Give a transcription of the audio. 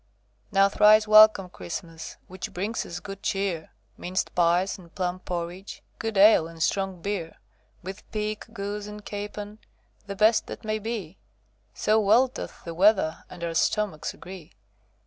Now thrice welcome, Christmas, Which brings us good cheer, Minced pies and plum porridge, Good ale and strong beer; With pig, goose, and capon, The best that may be, So well doth the weather And our stomachs agree.